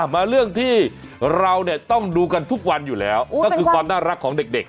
มาเรื่องที่เราเนี่ยต้องดูกันทุกวันอยู่แล้วก็คือความน่ารักของเด็ก